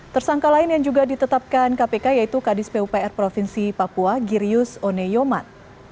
tersangka lain yang juga ditetapkan kpk yaitu kadis pupr provinsi papua girius oneyoman